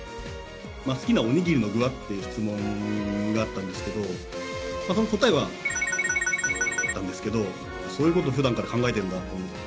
好きなお握りの具はっていう質問があったんですけど、その答えは、×××だったんですけど、そういうことをふだんから考えてるんだと思って。